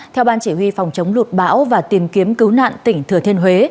theo ban chỉ huy phòng chống lụt bão và tìm kiếm cứu nạn tỉnh thừa thiên huế